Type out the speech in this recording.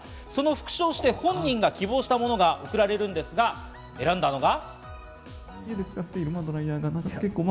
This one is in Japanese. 副賞として本人が希望したものが送られるんですが選んだのが。